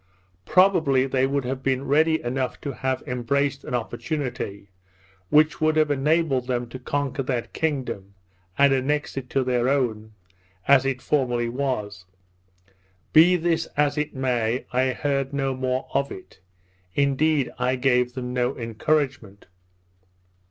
Probably they would have been ready enough to have embraced an opportunity, which would have enabled them to conquer that kingdom, and annex it to their own, as it formerly was. Be this as it may, I heard no more of it; indeed, I gave them no encouragement.